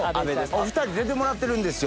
お２人出てもらってるんですよ